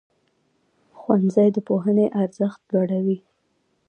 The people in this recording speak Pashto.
ښوونځی د پوهنې ارزښت لوړوي.